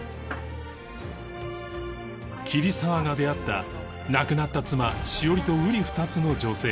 桐沢が出会った亡くなった妻史織とうり二つの女性